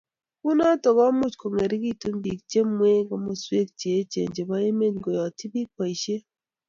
kunoto komuch kongeringitu biik chemwee komoswek cheechen chebo emet ngoyotyi biik boishet